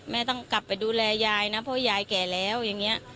ต้องกลับไปดูแลยายนะเพราะยายแก่แล้วอย่างนี้